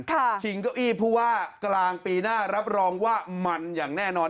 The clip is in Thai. ชิงเก้าอี้ผู้ว่ากลางปีหน้ารับรองว่ามันอย่างแน่นอน